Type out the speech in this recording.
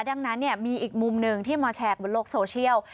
ดังนั้นมีอีกมุมหนึ่งที่มาแชร์บนโลกโซเชียล